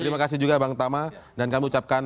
terima kasih juga bang tama dan kami ucapkan